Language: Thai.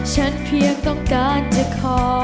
เพียงต้องการจะขอ